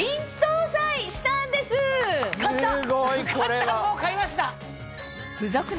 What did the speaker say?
買ったもう買いました。